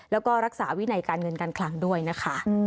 แล้วก็รักษาวินัยการเงินการคลังด้วยนะคะ